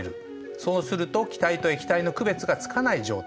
そうすると気体と液体の区別がつかない状態。